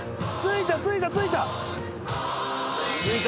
着いた着いた着いた！